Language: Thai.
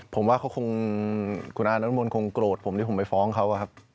ผมว่าคุณอนุมนต์คงโกรธผมที่ผมไปฟ้องเขา